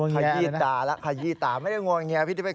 ขยี้ตาละขยี้ตาไม่ได้งวงแง่พี่ที่เป็น